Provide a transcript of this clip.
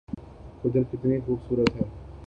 قدرت کتنی خوب صورت ہے